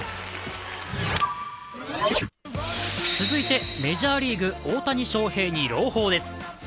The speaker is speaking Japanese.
続いてメジャーリーグ大谷翔平に朗報です。